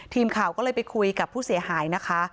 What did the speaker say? ทีมข่าวก็เลยไปคุยกับผู้เสียหายนะคะ